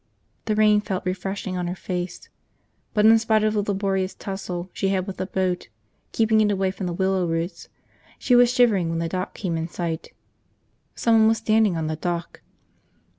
.... The rain felt refreshing on her face. But in spite of the laborious tussle she had with the boat, keeping it away from the willow roots, she was shivering when the dock came in sight. Someone was standing on the dock.